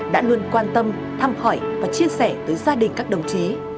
đã luôn quan tâm thăm hỏi và chia sẻ tới gia đình các đồng chí